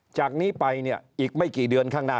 จากนี้ไปเนี่ยอีกไม่กี่เดือนข้างหน้า